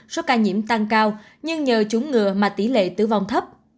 số ca nhiễm tăng cao nhưng nhờ chúng ngừa mà tỷ lệ tử vong thấp